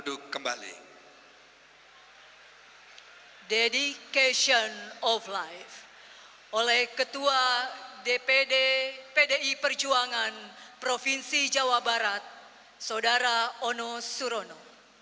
dedication of life oleh ketua dpd pdi perjuangan provinsi jawa barat saudara ono surono